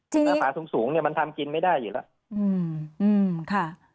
หน้าผาสูงมันทำกินไม่ได้อยู่แล้ว